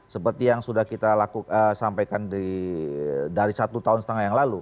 seperti yang sudah kita lakukan sampaikan dari satu tahun setengah yang lalu